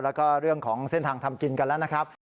แล้วก็เรื่องของเส้นทางทำกินกันแล้วนะครับ